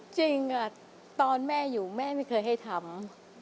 จริงตอนแม่อยู่แม่ไม่เคยให้ทำ